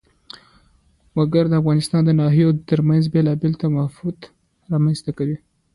وګړي د افغانستان د ناحیو ترمنځ بېلابېل تفاوتونه رامنځ ته کوي.